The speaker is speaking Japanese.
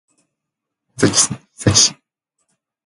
山梨県韮崎市